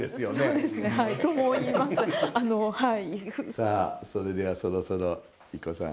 さあそれではそろそろＩＫＫＯさん。